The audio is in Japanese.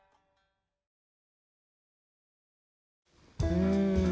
うん。